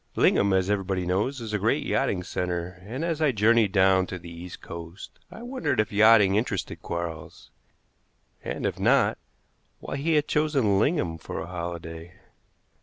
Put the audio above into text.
Lingham, as everybody knows, is a great yachting center, and as I journeyed down to the East Coast I wondered if yachting interested Quarles, and, if not, why he had chosen Lingham for a holiday.